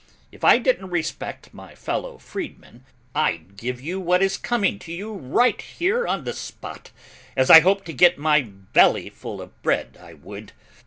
If I didn't respect my fellow freedmen, I'd give you what is coming to you right here on the spot, as I hope to get my belly full of bread, I would.